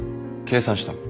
計算したの？